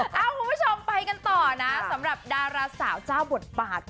คุณผู้ชมไปกันต่อนะสำหรับดาราสาวเจ้าบทบาท